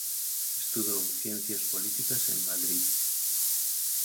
Estudou Ciencias Políticas en Madrid.